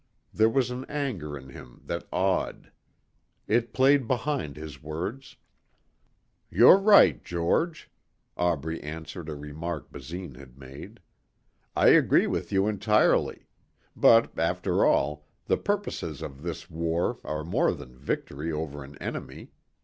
There was an anger in him that awed. It played behind his words. "You're right, George." Aubrey answered a remark Basine had made. "I agree with you entirely. But after all, the purposes of this war are more than victory over an enemy.